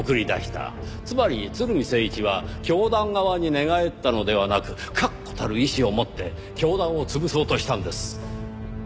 つまり鶴見征一は教団側に寝返ったのではなく確固たる意志を持って教団を潰そうとしたんです。